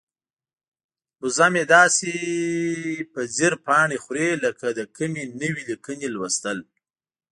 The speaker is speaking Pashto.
وزه مې داسې په ځیر پاڼې خوري لکه د کومې نوې لیکنې لوستل.